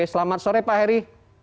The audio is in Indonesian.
selamat sore pak heri